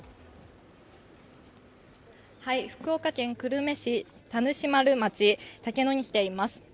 福岡県久留米市田主丸町竹野に来ています。